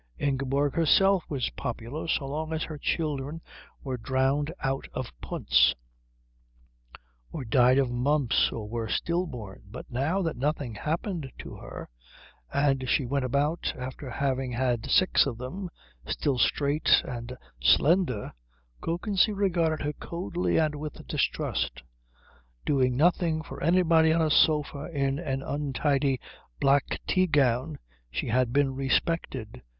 Ingeborg herself was popular so long as her children were drowned out of punts, or died of mumps, or were stillborn; but now that nothing happened to her and she went about, after having had six of them, still straight and slender, Kökensee regarded her coldly and with distrust. Doing nothing for anybody on a sofa in an untidy black tea gown she had been respected.